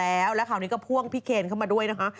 แล้วแล้วคราวนี้ก็พ่วงพี่เคนเข้ามาด้วยนะคะ